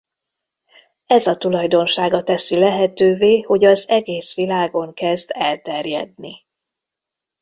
Ez a tulajdonsága teszi lehetővé hogy az egész világon kezd elterjedni.